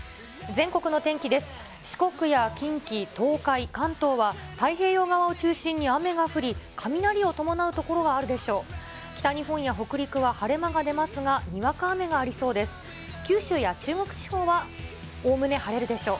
四国や近畿、東海、関東は、太平洋側を中心に雨が降り、雷を伴う所があるでしょう。